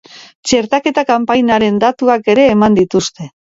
Txertaketa kanpainaren datuak ere eman dituzte.